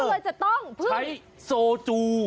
เออเออเออใช้โซจู